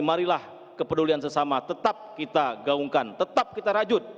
marilah kepedulian sesama tetap kita gaungkan tetap kita rajut